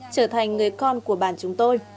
trở thành người con của bà chúng tôi